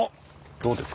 どうですか？